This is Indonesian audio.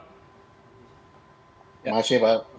terima kasih pak